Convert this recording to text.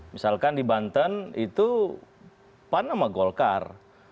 misalkan di banten itu pan sama golkar